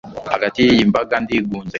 hagati y'iyi mbaga, ndigunze